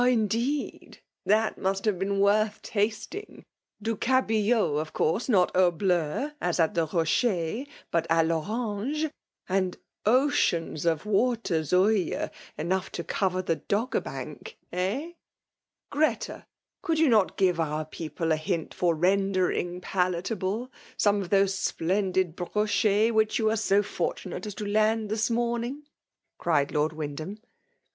— indeed !— Tkal must have been worth tasting ? Du cabillot, of course not au bUu, (as at the Rocher) hut a T Orange ; and oceans of water Zuije, enough to cover the Doggerbank — eh? Greta! — Could you not give our people a hint for rendering palatable some of those splendid brockets which you were so fortunate as to laad this morning ? cried Lord Wyndham.